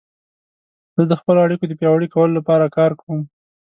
زه د خپلو اړیکو د پیاوړي کولو لپاره کار کوم.